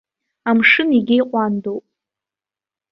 Амшын егьа иҟәандоуп.